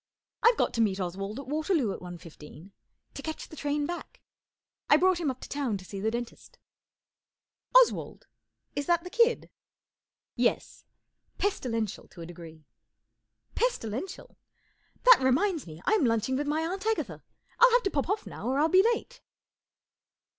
I've got to meet Oswald at Waterloo at one fifteen, to catch the train back. I brought him up to town to see the dentist." 41 Oswald ? Is that the kid ?"" Yes. Pestilential to a degree." 44 Pestilential ! That reminds me, I'm lunching with my Aunt Agatha. I'll have to pop off now, or I'll be late."